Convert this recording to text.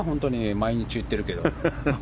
毎日、言ってるけど。